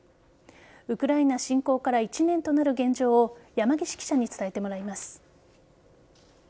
ウクライナ侵攻から１年となる現状を山岸記者に伝えてもらいます。